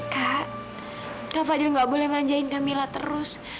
kak kak fadil gak boleh manjain kak mila terus